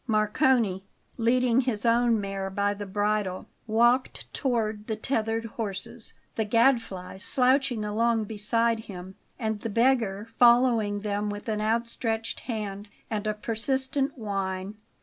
Marcone, leading his own mare by the bridle, walked towards the tethered horses, the Gadfly slouching along beside him, and the beggar following them with an outstretched hand and a persistent whine.